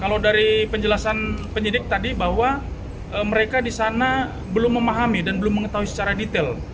kalau dari penjelasan penyidik tadi bahwa mereka di sana belum memahami dan belum mengetahui secara detail